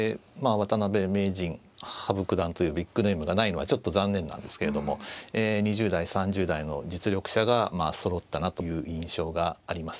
渡辺名人羽生九段というビッグネームがないのはちょっと残念なんですけれども２０代３０代の実力者がそろったなという印象がありますね。